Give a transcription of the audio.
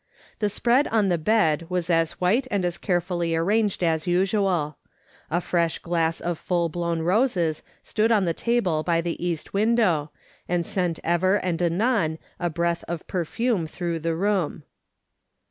The spread on the bed was as white and as carefully arranged as usual. A fresh glass of full blown roses stood on the table by the east window and sent ever and anon a breath of per fume through the room.